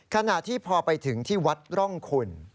ขณะที่พอไปถึงที่วัดร่องคุณ